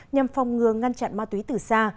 nhằm phòng ngừa ngăn chặn ma túy từ xa